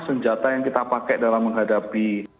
senjata yang kita pakai dalam menghadapi